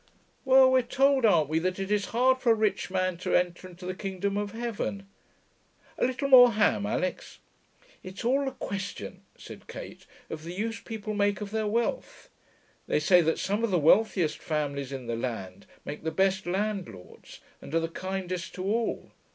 'Well, we're told, aren't we, that it is hard for a rich man to enter into the kingdom of heaven.... A little more ham, Alix?' 'It's all a question,' said Kate, 'of the use people make of their wealth. They say that some of the wealthiest families in the land make the best landlords and are the kindest to all.